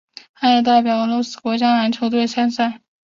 他也代表俄罗斯国家篮球队参赛。